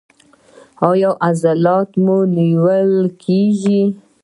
ایا عضلات مو نیول کیږي؟